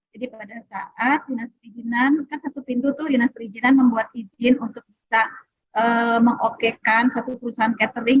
jadi pada saat dinas perizinan kan satu pintu itu dinas perizinan membuat izin untuk bisa mengokekan satu perusahaan catering